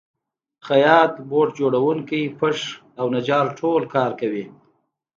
خیاط، بوټ جوړونکی، پښ او نجار ټول کار کوي